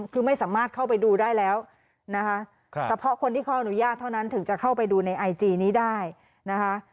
คือไม่สามารถเข้าไปดูได้แล้วนะคะเฉพาะคนที่เขาอนุญาตเท่านั้นถึงจะเข้าไปดูในไอจีนี้ได้นะคะ